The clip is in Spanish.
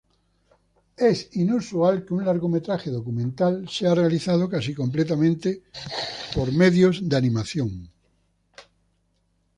Es inusual que un largometraje documental sea realizado casi completamente por medios de animación.